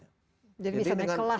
jadi misalnya kelas lah